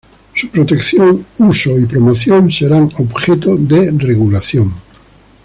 Su protección, uso y promoción serán objeto de regulación"".